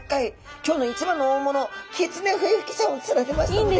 今日の一番の大物キツネフエフキちゃんを釣られましたので。